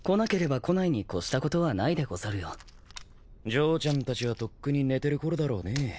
嬢ちゃんたちはとっくに寝てるころだろうねぇ。